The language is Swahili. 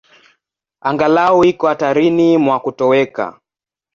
Angalau iko hatarini mwa kutoweka.